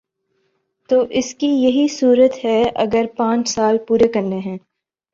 تو اس کی یہی صورت ہے اگر پانچ سال پورے کرنے ہیں۔